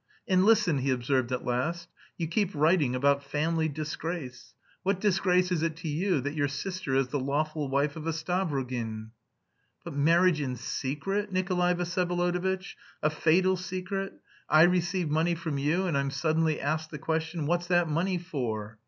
"And listen," he observed at last, "you keep writing about 'family disgrace.' What disgrace is it to you that your sister is the lawful wife of a Stavrogin?" "But marriage in secret, Nikolay Vsyevolodovitch a fatal secret. I receive money from you, and I'm suddenly asked the question, 'What's that money for?'